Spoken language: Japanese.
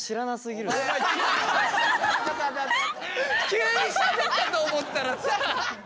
急にしゃべったと思ったらさ。